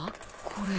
これ。